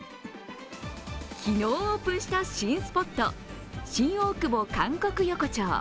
昨日オープンした新スポット、新大久保韓国横丁。